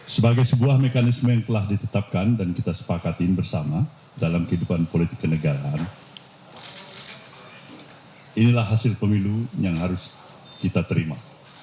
sebagai sebuah mekanisme yang telah ditetapkan dan kita sepakatin bersama dalam kehidupan politik kenegaraan inilah hasil pemilu yang harus kita terima